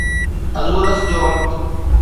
Azores جو وقت